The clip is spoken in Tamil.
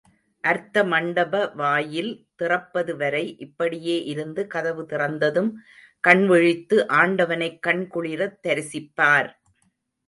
அர்த்தமண்டப வாயில் திறப்பது வரை இப்படியே இருந்து கதவு திறந்ததும் கண்விழித்து ஆண்டவனைக் கண் குளிரத் தரிசிப்பார்.